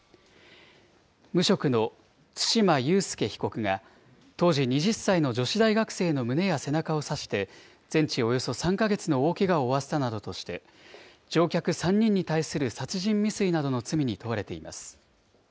無職の對馬悠介被告が当時２０歳の女子大学生の胸や背中を刺して、全治およそ３か月の大けがを負わせたなどとして、乗客３人に対する殺人未遂などの罪に問われています。